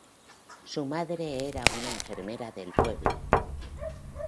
Su madre era una enfermera del pueblo.